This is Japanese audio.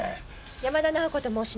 山田奈緒子と申します。